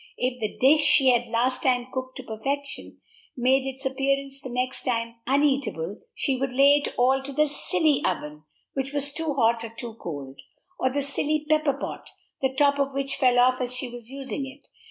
If the dish she had last time cooked to perfection made its appearance the next time uneatable, she would lay it all to the silly oven, which was too hot or too cold; or the silly pepper pot, the top of which fell off as she was using it.